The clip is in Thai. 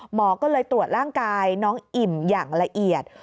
หมอก็เลยตรวจร่างกายน้องอิ่มอย่างละเอียด